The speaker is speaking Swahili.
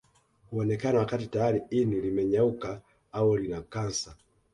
Huonekana wakati tayari ini limenyauka au lina kansa